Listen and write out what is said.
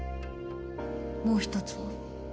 もう１つは？